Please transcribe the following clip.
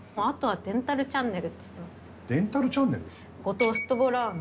あとは「デンタルチャンネル」って知ってます？